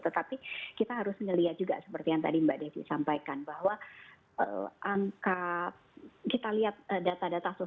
tetapi kita harus melihat juga seperti yang tadi mbak desi sampaikan bahwa angka kita lihat data data sosial ya di luar pulau jawa misalnya sudah banyak masyarakat yang kesulitan untuk mendapatkan oksigen